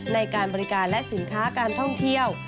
ในการบริการและสินค้าการท่องเที่ยว